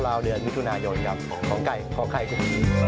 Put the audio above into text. เวลาเดือนวิทยุนายนครับของไก่ของไข้ครับ